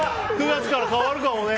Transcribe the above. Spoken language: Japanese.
９月から変わるかもね。